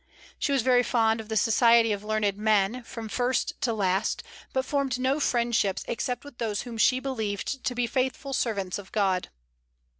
She was very fond of the society of learned men, from first to last, but formed no friendships except with those whom she believed to be faithful servants of God.